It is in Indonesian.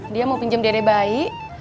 dia mau pinjam dede bayi